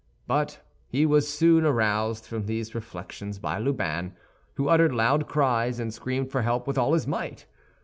But he was soon aroused from these reflections by Lubin, who uttered loud cries and screamed for help with all his might.